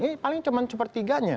ini paling cuma sepertiganya